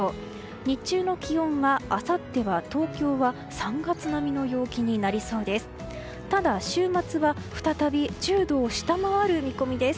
日中の気温はあさっては東京は３月並みの陽気になりそうです。